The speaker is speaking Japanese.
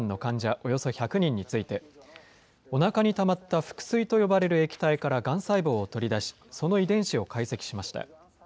およそ１００人について、おなかにたまった腹水と呼ばれる液体からがん細胞を取り出し、その遺伝子を解析しました。